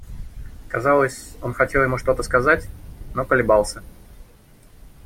Казалось, он хотел ему что-то сказать, но колебался.